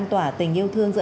mang tính chia sẻ